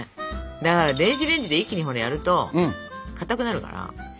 だから電子レンジで一気にやるとかたくなるから。